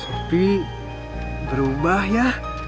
sopi berubah ya